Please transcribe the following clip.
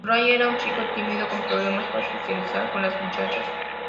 Murray era un chico tímido, con problemas para socializar con las muchachas.